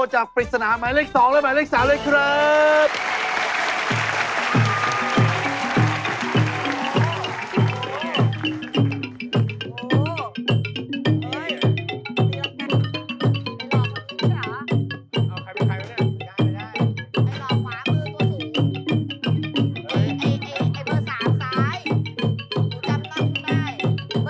ฮะขอบคุณครับเดี่ยว